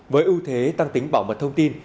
với ưu thế tăng tính bảo mật thông tin